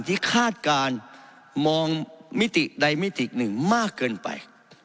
คาดการณ์มองมิติใดมิติหนึ่งมากเกินไป